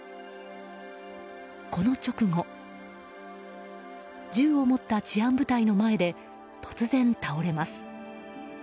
この直後銃を持った治安部隊の前で突然倒れます。